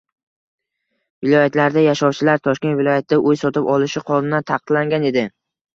viloyatlarda yashovchilar Toshkent viloyatida uy sotib olishi qonunan taqiqlangan edi.